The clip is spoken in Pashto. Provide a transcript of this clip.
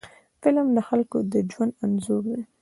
فلم د خلکو د ژوند انځور دی